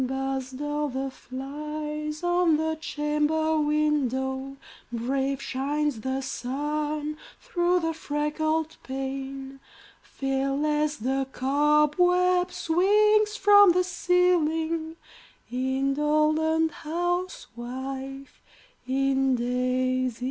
Buzz the dull flies on the chamber window; Brave shines the sun through the freckled pane; Fearless the cobweb swings from the ceiling Indolent housewife, in daisies lain!